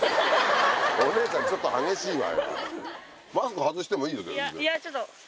お姉ちゃんちょっと激しいわ。